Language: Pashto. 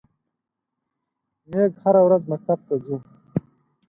میږ هره ورځ مکتب ته څو.